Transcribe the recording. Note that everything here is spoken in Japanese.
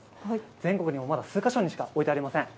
全国にもまだ数か所しかありません。